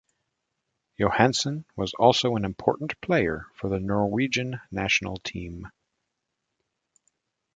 Johansen was also an important player for the Norwegian national team.